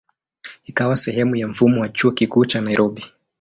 Ikawa sehemu ya mfumo wa Chuo Kikuu cha Nairobi.